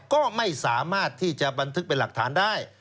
ก็ไม่สามารถที่จะบันทึกเป็นหลักฐานได้